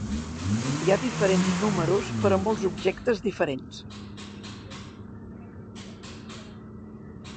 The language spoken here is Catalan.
Hi ha diferents números per a molts objectes diferents.